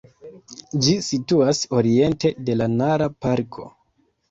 Ĝi situas oriente de la Nara-parko.